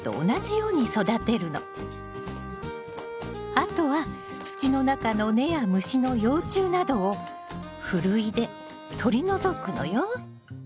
あとは土の中の根や虫の幼虫などをふるいでとりのぞくのよ。